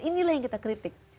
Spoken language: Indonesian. inilah yang kita kritik